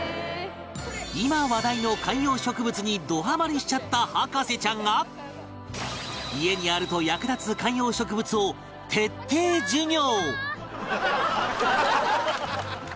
今話題の観葉植物にどハマりしちゃった博士ちゃんが家にあると役立つ観葉植物を徹底授業！